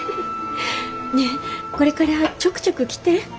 ねえこれからちょくちょく来て。